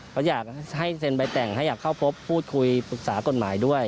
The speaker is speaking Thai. เขาอยากให้เซ็นใบแต่งให้อยากเข้าพบพูดคุยปรึกษากฎหมายด้วย